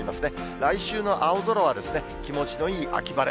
来週の青空は気持ちのいい秋晴れ。